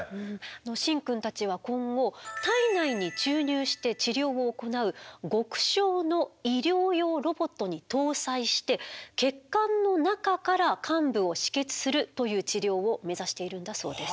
シンくんたちは今後体内に注入して治療を行う極小の医療用ロボットに搭載して血管の中から患部を止血するという治療を目指しているんだそうです。